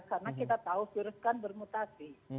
karena kita tahu virus kan bermutasi